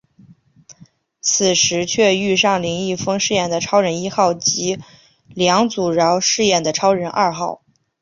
此时却遇上林一峰饰演的超人一号及梁祖尧饰演的超人二号。